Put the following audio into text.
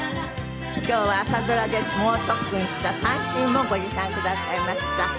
今日は朝ドラで猛特訓した三線もご持参くださいました。